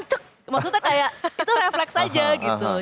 maksudnya kayak itu refleks aja gitu